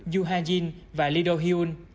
yoo ha jin và lee do hyun